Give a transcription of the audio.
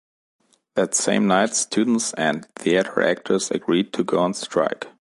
That same night, students and theater actors agreed to go on strike.